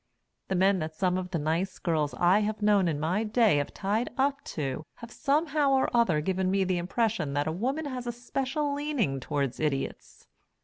The men that some of the nice girls I have known in my day have tied up to have somehow or other given me the impression that a woman has a special leaning toward Idiots.